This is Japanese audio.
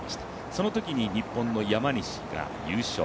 そのときに日本の山西が優勝。